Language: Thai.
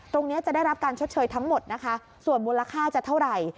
ตรงนี้จะได้รับการชดเชยทั้งหมดนะคะส่วนมูลค่าจะเท่าไหร่